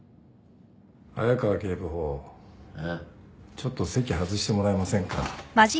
ちょっと席外してもらえませんか？